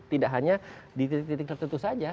tidak hanya di titik titik tertentu saja